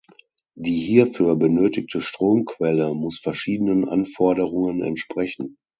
Die hierfür benötigte Stromquelle muss verschiedenen Anforderungen entsprechen.